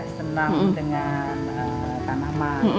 senang dengan tanaman